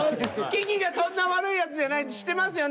キキがそんな悪いやつじゃないって知ってますよね。